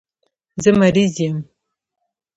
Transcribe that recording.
زه مریض یم.